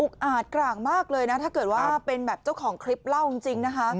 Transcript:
อาจกลางมากเลยนะถ้าเกิดว่าเป็นแบบเจ้าของคลิปเล่าจริงนะคะ